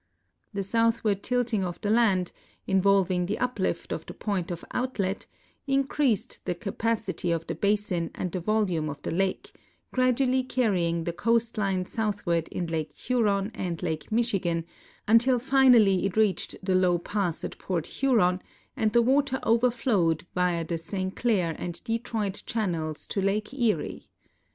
The south ward tilting of the land, involving the uplift of the point of outlet, increast the capacity of the basin and the volume of the lake, graduall}^ carrying the coast line southward in Lake Huron and Lake Michigan until finally it reacht the low pass at Port Huron and the water overflowed via the St Clair and Detroit channels to Lake Erie.